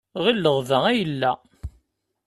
Ɣileɣ da ay yella.